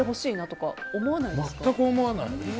全く思わない。